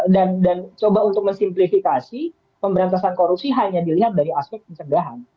dan coba untuk mensimplifikasi pemberantasan korupsi hanya dilihat dari aspek pencegahan